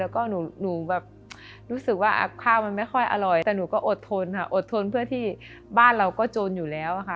แล้วก็หนูแบบรู้สึกว่าอัพข้าวมันไม่ค่อยอร่อยแต่หนูก็อดทนค่ะอดทนเพื่อที่บ้านเราก็จนอยู่แล้วค่ะ